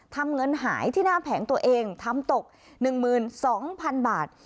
ทำเงินหายที่หน้าแผงตัวเองทำตก๑๒๐๐๐บาท